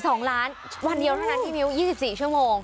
ใช่๒ล้านวันเดียวเท่านั้นที่มิว๒๔ชั่วโมง